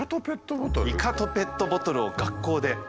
イカとペットボトルを学校で。